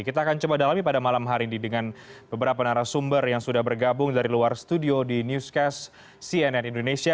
kita akan coba dalami pada malam hari ini dengan beberapa narasumber yang sudah bergabung dari luar studio di newscast cnn indonesia